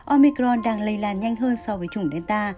omicron đang lây lan nhanh hơn so với chủng delta